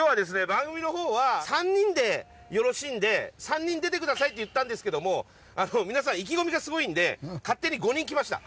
番組の方は３人でよろしいんで３人出てくださいって言ったんですけども皆さん意気込みがすごいんで勝手に５人来ました。